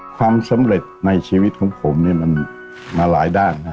ความสำเร็จในชีวิตของผมเนี่ยมันมาหลายด้าน